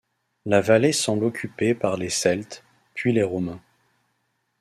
La vallée semble occupée par les Celtes, puis les Romains.